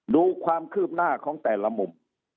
ดูความคืบหน้าของแต่ละมุม